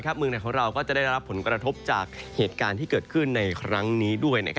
เมืองไหนของเราก็จะได้รับผลกระทบจากเหตุการณ์ที่เกิดขึ้นในครั้งนี้ด้วย